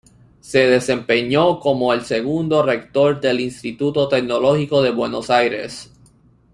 Se desempeñó como el segundo rector del Instituto Tecnológico de Buenos Aires.